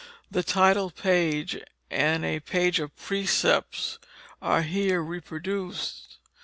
The title page and a page of the precepts are here reproduced.